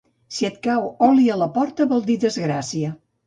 Si et cau oli a la porta vol dir desgràcia.